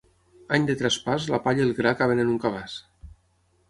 Any de traspàs, la palla i el gra caben en un cabàs.